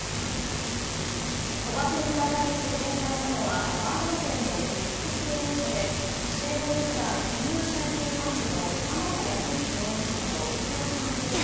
賭博の疑いで送検されたのはマージャン店の実質的経営者で指定暴力団住吉会系幹部の鎌田靖之容疑者など店の関係者